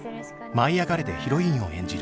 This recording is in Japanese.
「舞いあがれ！」でヒロインを演じる